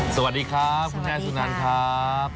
สวัสดีครับคุณแม่สุนันครับ